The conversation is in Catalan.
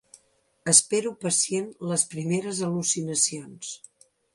Espero pacient les primeres al·lucinacions.